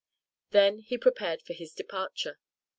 Then he prepared for his departure.